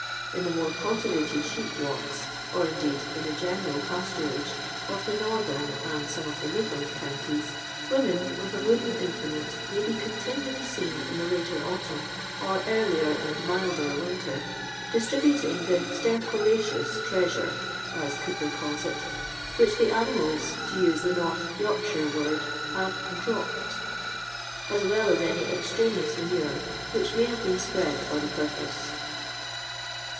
In the more cultivated sheep walks (or, indeed, in the general pnsturagf>} of the northern and some of the midland counties, women, with a wooden implement, may be conti nually seen in the later autumn, or earlier and milder winter, distributing the '' stercoraceoni treasure," as (. owper calls it, which the animals, to use the North Yorkshire word, have " dropped,' as well as any extraneous manure which may have been spread for the purpose.